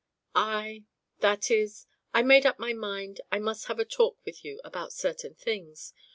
"I that is I had made up my mind I must have a talk with you about certain things.